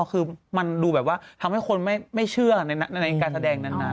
คือมันดูแบบว่าทำให้คนไม่เชื่อในการแสดงนั้น